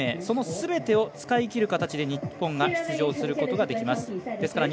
そのすべてを使い切る形で日本が出場することができます。